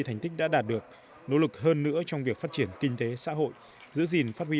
thành tích đã đạt được nỗ lực hơn nữa trong việc phát triển kinh tế xã hội giữ gìn phát huy